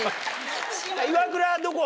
イワクラはどこ？